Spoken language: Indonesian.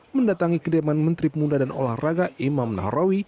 mendatangi kediaman menteri pemuda dan olahraga imam nahrawi